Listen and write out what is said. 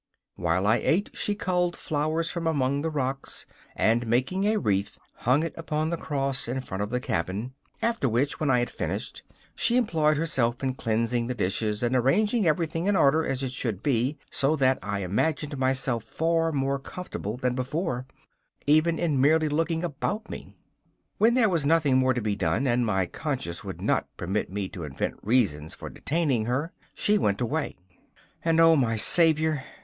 While I ate she culled flowers from among the rocks, and, making a wreath, hung it upon the cross in front of the cabin; after which, when I had finished, she employed herself in cleansing the dishes and arranging everything in order as it should be, so that I imagined myself far more comfortable than before, even in merely looking about me. When there was nothing more to be done, and my conscience would not permit me to invent reasons for detaining her, she went away, and O my Saviour!